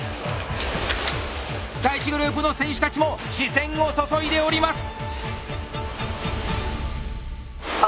第１グループの選手たちも視線を注いでおります。